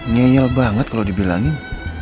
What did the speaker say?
ngeyel banget kalau dibilangin